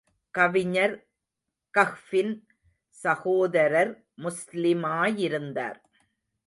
கவிஞர் கஃபின் சகோதரர் முஸ்லிமாயிருந்தார்.